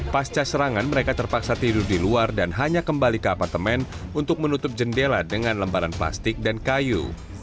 pasca serangan mereka terpaksa tidur di luar dan hanya kembali ke apartemen untuk menutup jendela dengan lembaran plastik dan kayu